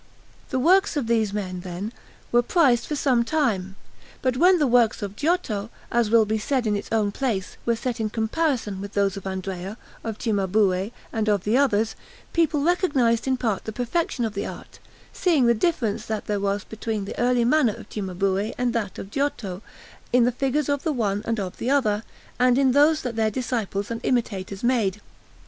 The works of these men, then, were prized for some time; but when the works of Giotto, as will be said in its own place, were set in comparison with those of Andrea, of Cimabue, and of the others, people recognized in part the perfection of the art, seeing the difference that there was between the early manner of Cimabue and that of Giotto, in the figures of the one and of the other and in those that their disciples and imitators made.